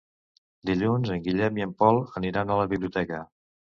Dilluns en Guillem i en Pol aniran a la biblioteca.